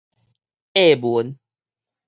穢聞